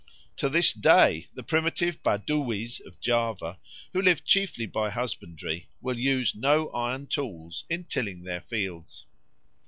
To this day the primitive Baduwis of Java, who live chiefly by husbandry, will use no iron tools in tilling their fields.